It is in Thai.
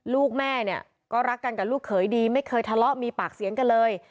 ลูกแม่เนี่ยก็รักกันกับลูกเขยดีไม่เคยทะเลาะมีปากเสียงกันเลย